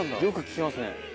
よく聞きますね。